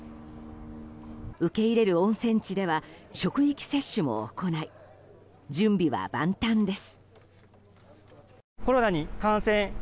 受け入れる温泉地では職域接種も行い準備は万端です。